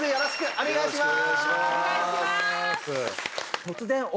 お願いします！